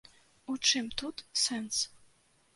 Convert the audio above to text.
У чым тут сэнс?